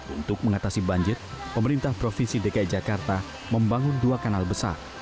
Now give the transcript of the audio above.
untuk mengatasi banjir pemerintah provinsi dki jakarta membangun dua kanal besar